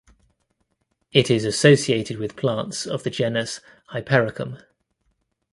It is associated with plants of the genus "Hypericum".